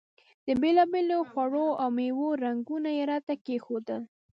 د بېلابېلو خوړو او میوو رنګونه یې راته کېښودل.